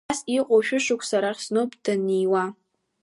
Абас иҟоу шәышықәса рахь зноуп даниуа.